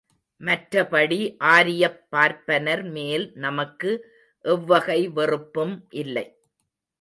மற்றபடி ஆரியப் பார்ப்பனர் மேல் நமக்கு எவ்வகை வெறுப்பும் இல்லை.